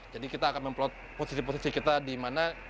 jadi kita akan memplot posisi posisi kita dimana